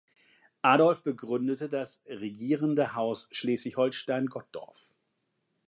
Adolf begründete das regierende Haus Schleswig-Holstein-Gottorf.